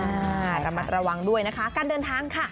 ระมัดระวังด้วยนะคะการเดินทางค่ะ